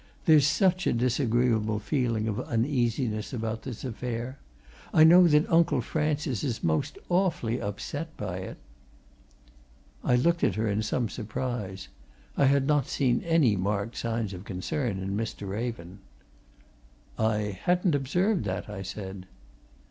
"There's such a disagreeable feeling of uneasiness about this affair. I know that Uncle Francis is most awfully upset by it." I looked at her in some surprise. I had not seen any marked signs of concern in Mr. Raven. "I hadn't observed that," I said.